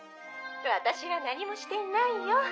「私は何もしていないよ」